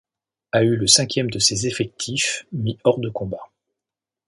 A eu le cinquième de ses effectifs mis hors de combat.